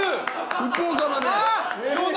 福岡まで。